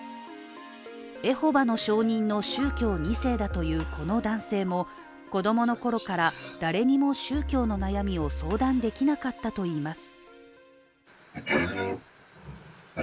エホバの証人の宗教２世だというこの男性も、子供のころから誰にも宗教の悩みを相談できなかったといいます。